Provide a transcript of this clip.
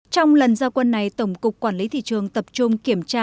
trong lần giao quân này tổng cục quản lý thị trường tập trung kiểm tra